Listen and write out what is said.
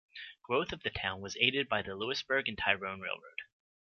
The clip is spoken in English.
Growth of the town was aided by the Lewisburg and Tyrone Railroad.